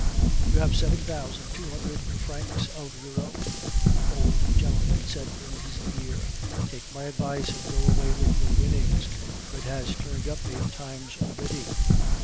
"You have seven thousand, two hundred francs of your own," the old gentleman said in his ear. "Take my advice and go away with your winnings; red has turned up eight times already.